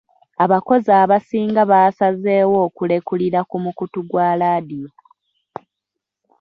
Abakozi abasinga baasazeewo okulekulira ku mukutu gwa laadiyo.